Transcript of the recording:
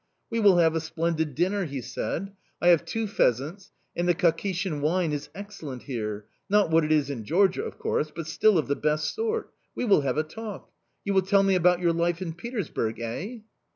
"We will have a splendid dinner," he said. "I have two pheasants; and the Kakhetian wine is excellent here... not what it is in Georgia, of course, but still of the best sort... We will have a talk... You will tell me about your life in Petersburg... Eh?"...